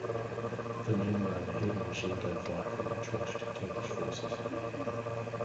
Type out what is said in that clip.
The men were under heavy machine gun fire from entrenched Turkish forces.